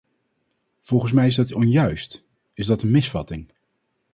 Volgens mij is dat onjuist, is dat een misvatting.